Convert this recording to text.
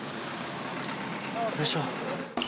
よいしょ。